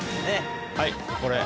はいこれ。